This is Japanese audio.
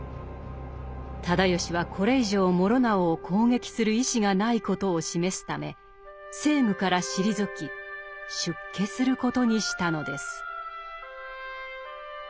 直義はこれ以上師直を攻撃する意思がないことを示すため政務から退き出家することにしたのです。